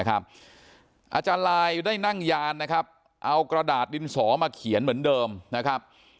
อาจารย์ลายได้นั่งยานนะครับเอากระดาษดินสอมาเขียนเหมือนเดิมนะครับ